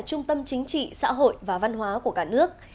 trung tâm chính trị xã hội và văn hóa của cả nước